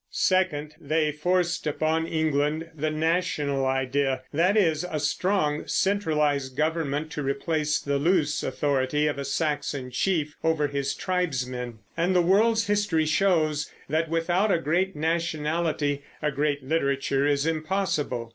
Second, they forced upon England the national idea, that is, a strong, centralized government to replace the loose authority of a Saxon chief over his tribesmen. And the world's history shows that without a great nationality a great literature is impossible.